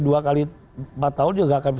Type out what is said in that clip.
dua kali empat tahun juga akan